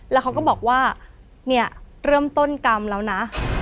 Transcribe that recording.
แล้วเขาก็บอกว่าเนี่ยเริ่มต้นกรรมแล้วนะ